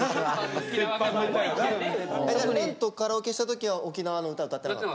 廉とカラオケした時は沖縄の唄うたってなかったの？